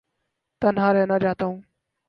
تنہا رہنا چاہتا ہوں